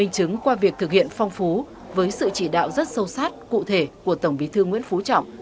thực hiện phong phú với sự chỉ đạo rất sâu sát cụ thể của tổng bí thư nguyễn phú trọng